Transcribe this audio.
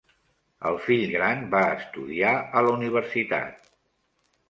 El fill gran va estudiar a la universitat.